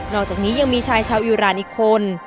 อกจากนี้ยังมีชายชาวอิราณอีกคน